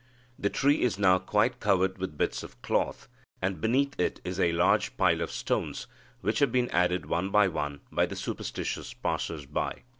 The tree is now quite covered with bits of cloth, and beneath it is a large pile of stones, which have been added one by one by the superstitious passers by."